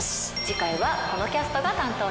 次回はこのキャストが担当します。